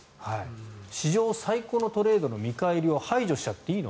史上最高のトレードの見返りを排除しちゃっていいの？